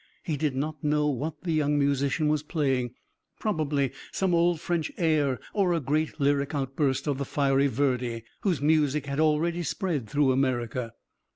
He did not know what the young musician was playing, probably some old French air or a great lyric outburst of the fiery Verdi, whose music had already spread through America.